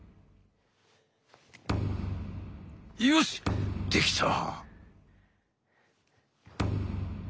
よしできた！